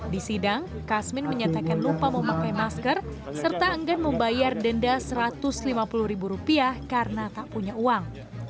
di sidang kasmin menyatakan lupa memakai masker serta enggan membayar denda rp satu ratus lima puluh ribu rupiah karena tak punya uang